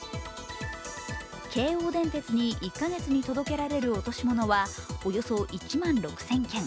京王電鉄に１か月に届けられる落とし物はおよそ１万６０００件。